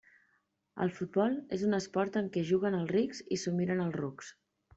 El futbol és un esport en què juguen els rics i s'ho miren els rucs.